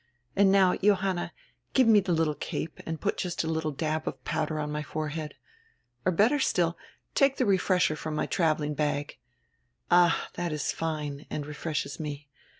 And now, Johanna, give me die little cape and put just a little dab of powder on my forehead. Or, better still, take die 'refresher' from my traveling bag — Ah, that is fine and refreshes me.